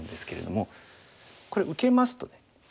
これ受けますとね